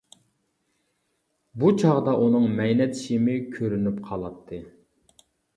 بۇ چاغدا ئۇنىڭ مەينەت شىمى كۆرۈنۈپ قالاتتى.